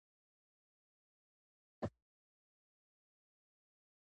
موږ باید ملي احساس ولرو.